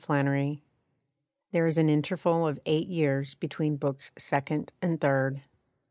=BOOK THIRD= [There is an interval of eight years between Books Second and Third.